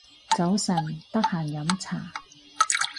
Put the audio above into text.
早晨，得閒飲茶